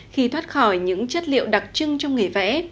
khi thoát khỏi những chất liệu đặc trưng trong nghề vẽ